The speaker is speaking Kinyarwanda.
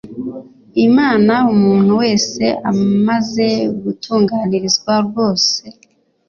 imana umuntu wese amaze gutunganirizwa rwose